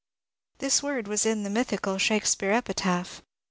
This word was in the mythical Shakespeare epitaph.